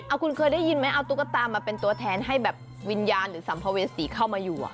เอาคุณเคยได้ยินไหมเอาตุ๊กตามาเป็นตัวแทนให้แบบวิญญาณหรือสัมภเวษีเข้ามาอยู่